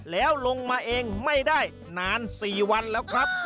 แล้วลงมาเองไม่ได้นาน๔วันแล้วครับ